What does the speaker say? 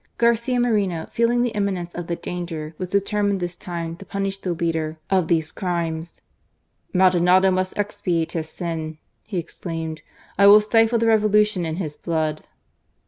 . Garcia Moreno, feeling the imminence of the danger, was determined ONE AGAINST ALL. 149 this time to punish the leader of these crimes. *• Maldonado must expiate his sin," he exclaimed. " I will stifle the Revolution in his blood.